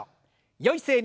よい姿勢に。